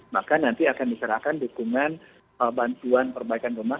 maka nanti akan diserahkan dukungan bantuan perbaikan rumah